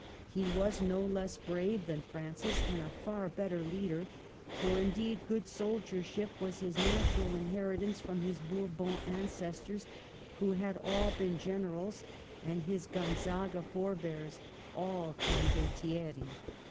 He was no less brave than Francis, and a far better leader ; for indeed good soldier ship was his natural inheritance from his Bour bon ancestors, who had all been generals, and his Gonzaga forebears, all Condottieri.